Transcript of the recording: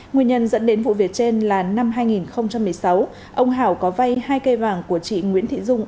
nguyên nhân dẫn đến vụ việc trên là năm hai nghìn một mươi sáu ông hảo có vay hai cây vàng của chị nguyễn thị dung